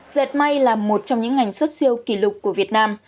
dệt may là một trong những ngành xuất siêu kỷ lục của việt nam